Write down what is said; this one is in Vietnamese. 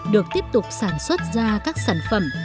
được tiếp tục sản xuất ra các sản phẩm